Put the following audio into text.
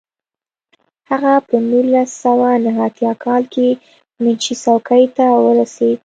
هغه په نولس سوه نهه اتیا کال کې منشي څوکۍ ته ورسېد.